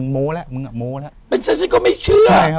มึงอ่ะโมแล้ว